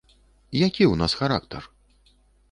Які ў нас характар?